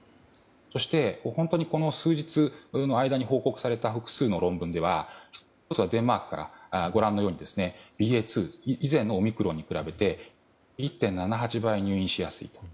そして数日の間に報告された複数の論文ではデンマークから、ご覧のようにＢＡ．２以前のオミクロンに比べて１．７８倍入院しやすいと。